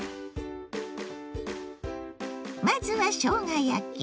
まずはしょうが焼き。